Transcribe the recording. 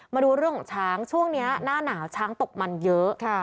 มาดูเรื่องของช้างช่วงนี้หน้าหนาวช้างตกมันเยอะ